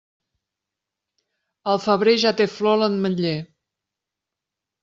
Al febrer, ja té flor l'ametler.